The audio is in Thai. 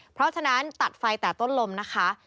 เพราะฉะนั้นตัดไฟแต่ต้นลมนะคะ